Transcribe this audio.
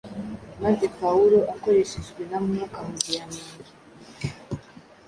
maze Pawulo akoreshejwe na Mwuka Muziranenge,